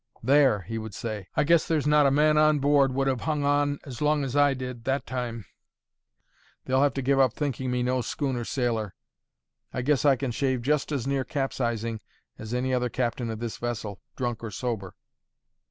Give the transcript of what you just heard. "There," he would say, "I guess there's not a man on board would have hung on as long as I did that time; they'll have to give up thinking me no schooner sailor. I guess I can shave just as near capsizing as any other captain of this vessel, drunk or sober."